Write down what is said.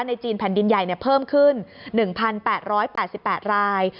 จีนแผ่นดินใหญ่เพิ่มขึ้น๑๘๘ราย